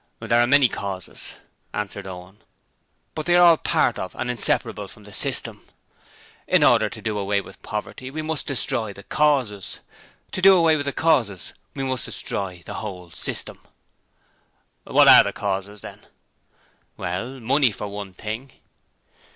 'There are many causes,' answered Owen, 'but they are all part of and inseparable from the system. In order to do away with poverty we must destroy the causes: to do away with the causes we must destroy the whole system.' 'What are the causes, then?' 'Well, money, for one thing.'